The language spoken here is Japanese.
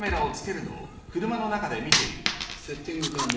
セッティング完了。